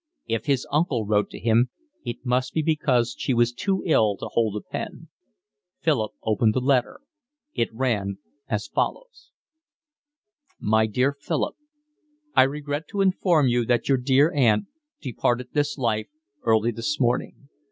If his uncle wrote to him it must be because she was too ill to hold a pen. Philip opened the letter. It ran as follows: My dear Philip, I regret to inform you that your dear Aunt departed this life early this morning.